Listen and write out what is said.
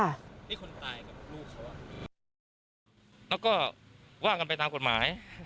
แล้วก็ว่ากันไปตามกฎหมาย